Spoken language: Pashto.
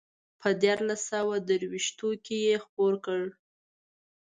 په دیارلس سوه درویشتو کې یې خپور کړ.